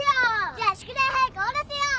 じゃ宿題早く終わらせよう。